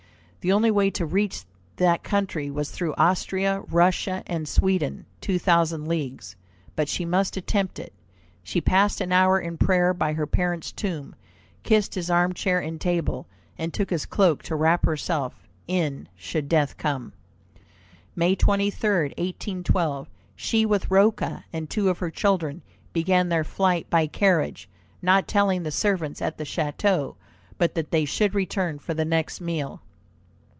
The only way to reach that country was through Austria, Russia, and Sweden, two thousand leagues. But she must attempt it. She passed an hour in prayer by her parent's tomb, kissed his armchair and table, and took his cloak to wrap herself in should death come. May 23, 1812, she, with Rocca and two of her children, began their flight by carriage, not telling the servants at the chateau, but that they should return for the next meal.